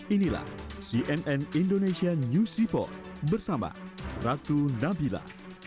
inilah cnn indonesia news report bersama ratu nabila